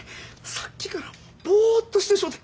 さっきからボーッとしてしもうて。